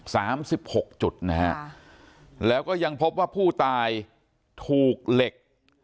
สามสิบหกจุดนะฮะค่ะแล้วก็ยังพบว่าผู้ตายถูกเหล็ก